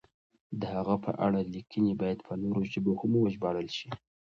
د هغه په اړه لیکنې باید په نورو ژبو هم وژباړل شي.